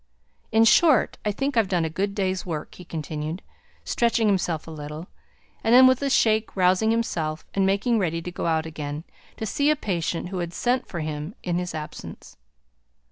In short, I think I've done a good day's work," he continued, stretching himself a little; and then with a shake rousing himself, and making ready to go out again, to see a patient who had sent for him in his absence.